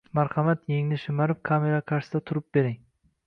Marhamat yengni shimarib kameralar qarshisida turib bering.